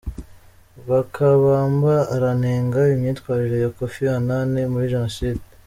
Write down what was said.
Rwakabamba aranenga imyitwarire ya Koffi Anani muri Jenoside